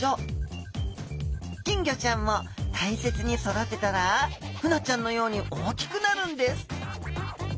金魚ちゃんも大切に育てたらフナちゃんのように大きくなるんです。